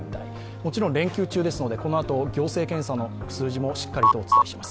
もちろん連休中ですのでこのあと行政検査の数字もしっかりとお伝えします。